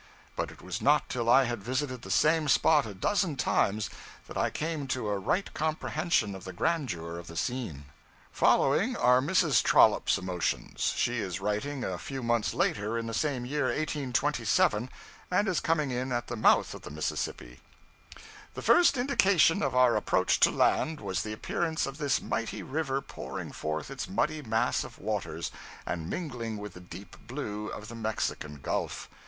But it was not till I had visited the same spot a dozen times, that I came to a right comprehension of the grandeur of the scene.' Following are Mrs. Trollope's emotions. She is writing a few months later in the same year, 1827, and is coming in at the mouth of the Mississippi 'The first indication of our approach to land was the appearance of this mighty river pouring forth its muddy mass of waters, and mingling with the deep blue of the Mexican Gulf.